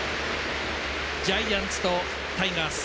ジャイアンツとタイガース